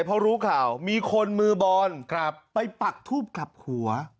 เพราะรู้ข่าวมีคนมือบอลไปปักทูบกลับหัว